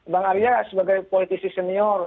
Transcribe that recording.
bang arya sebagai politisi senior